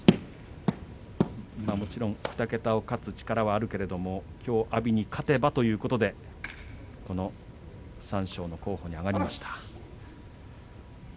もちろん２桁勝つ力はあるけれども、きょう阿炎に勝てばということで三賞の候補に挙がりました。